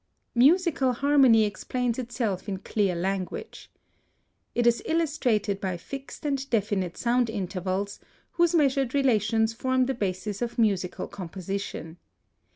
(153) Musical harmony explains itself in clear language. It is illustrated by fixed and definite sound intervals, whose measured relations form the basis of musical composition.